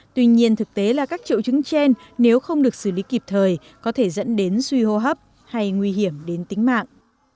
tuy nhiên thực tế là các triệu chứng trên nếu không được xử lý kịp thời có thể dẫn đến suy hô hấp hay nguy hiểm đến tính mạng